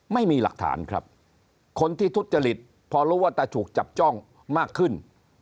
ไม่มีหลักฐานครับคนที่ทุจริตพอรู้ว่าตาถูกจับจ้องมากขึ้น